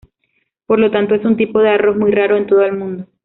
Por lo tanto, es un tipo de arroz muy raro en todo el mundo.